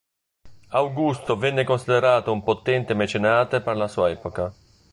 Augusto venne considerato un potente mecenate per la sua epoca.